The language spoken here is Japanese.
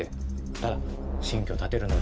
ただ新居を建てるので。